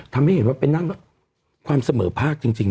ทำให้เห็นว่าไปนั่งความเสมอภาคจริง